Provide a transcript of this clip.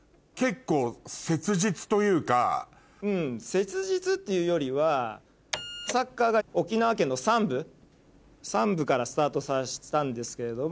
切実っていうよりはサッカーが沖縄県の３部からスタートさせたんですけれども。